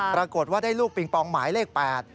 ปรากฏว่าได้ลูกปิงปองหมายเลข๘